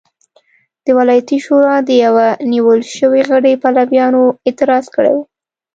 د ولایتي شورا د یوه نیول شوي غړي پلویانو اعتراض کړی و.